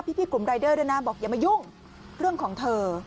พี่กลุ่มรายเดอร์ด้วยนะบอกอย่ามายุ่งเรื่องของเธอ